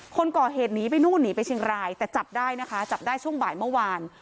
คนก่อเหตุหนีไปนู่นหนีไปชิงรายแต่จับได้ช่วงบ่ายเมื่อวาน